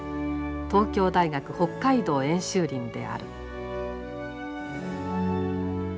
東京大学北海道演習林である。